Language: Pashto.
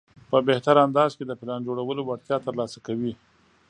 په بهتر انداز کې د پلان جوړولو وړتیا ترلاسه کوي.